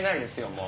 もう。